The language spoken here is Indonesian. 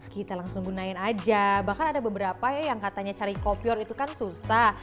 kita langsung gunain aja bahkan ada beberapa ya yang katanya cari kopior itu kan susah